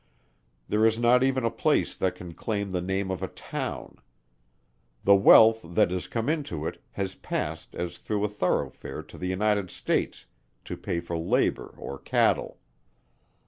There is not even a place that can claim the name of a town. The wealth that has come into it, has passed as through a thoroughfare to the United States, to pay for labour or cattle.